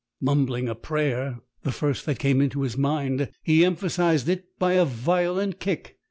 "Mumbling a prayer, the first that came into his mind, he emphasised it by a violent kick.